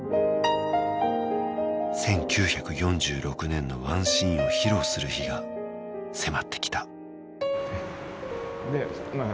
１９４６年のワンシーンを披露する日が迫ってきたでまあ